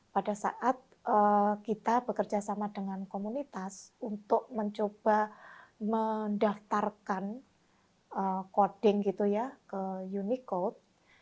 pada saat kita bekerja sama dengan komunitas untuk mencoba mendaftarkan koding ke unicode